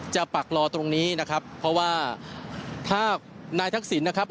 ปักรอตรงนี้นะครับเพราะว่าถ้านายทักษิณนะครับ